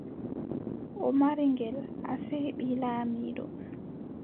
O maari ngel, asee, ɓii laamiiɗo.